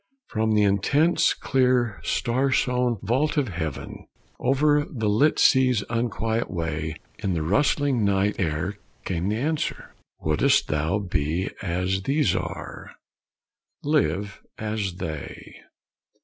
From the intense, clear, star sown vault of heaven, Over the lit sea's unquiet way, In the rustling night air came the answer: "Wouldst thou BE as these are? LIVE as they.